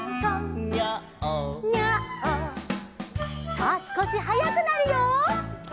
」さあすこしはやくなるよ。